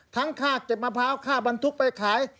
ค่าเก็บมะพร้าวค่าบรรทุกไปขาย